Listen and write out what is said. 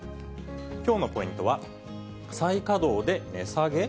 きょうのポイントは、再稼働で値下げ？